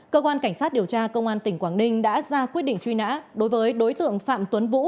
cơ quan cảnh sát điều tra công an tỉnh quảng ninh đã ra quyết định truy nã đối với đối tượng phạm tuấn vũ